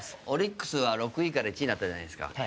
オリックスは６位から１位になったじゃないですか。